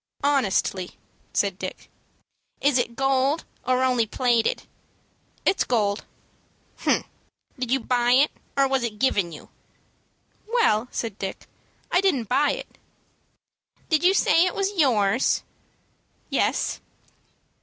"Honestly," said Dick. "Is it gold, or only plated?" "It's gold." "Humph! Did you buy it, or was it given you?" "Well," said Dick, "I didn't buy it." "Did you say it was yours?" "Yes."